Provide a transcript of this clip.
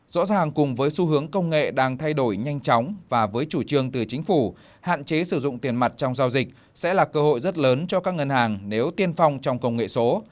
rõ ràng cùng với xu hướng công nghệ đang thay đổi nhanh chóng và với chủ trương từ chính phủ hạn chế sử dụng tiền mặt trong giao dịch sẽ là cơ hội rất lớn cho các ngân hàng nếu tiên phong trong công nghệ số